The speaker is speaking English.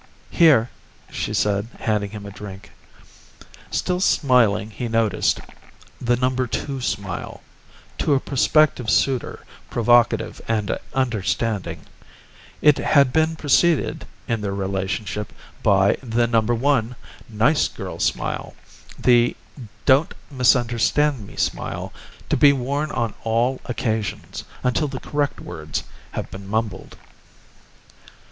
"Here," she said, handing him a drink. Still smiling, he noticed. The number two smile to a prospective suitor, provocative and understanding. It had been preceded, in their relationship, by the number one nice girl smile, the don't misunderstand me smile, to be worn on all occasions, until the correct words have been mumbled.